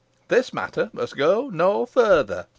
This matter must go no further.